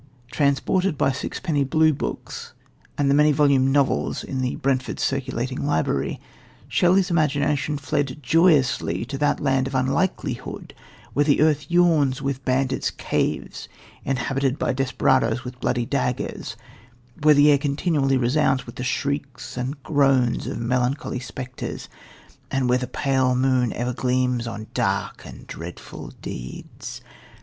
Transported by sixpenny "blue books" and the many volumed novels in the Brentford circulating library, Shelley's imagination fled joyously to that land of unlikelihood, where the earth yawns with bandits' caverns inhabited by desperadoes with bloody daggers, where the air continually resounds with the shrieks and groans of melancholy spectres, and where the pale moon ever gleams on dark and dreadful deeds.